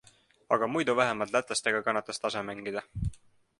Aga muidu vähemalt lätlastega kannatas tase mängida.